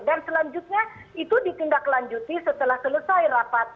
dan selanjutnya itu ditindaklanjuti setelah selesai rapat